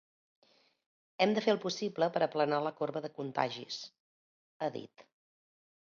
Hem de fer el possible per aplanar la corba de contagis, ha dit.